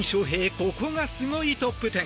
ここがスゴイトップ１０。